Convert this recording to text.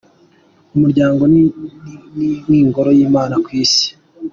Umuryango ni ingoro y'imana ku isi.